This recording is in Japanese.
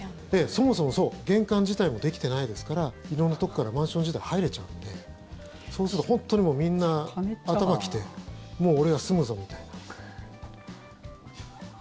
そもそも玄関自体もできてないですから色んなところからマンション自体に入れちゃうのでそうすると本当にみんな頭来てもう俺は住むぞみたいな。